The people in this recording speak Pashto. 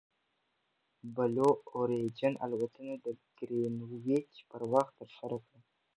بلو اوریجن الوتنه د ګرینویچ پر وخت ترسره کړه.